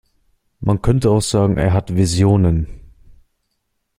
Man könnte auch sagen, er hat Visionen.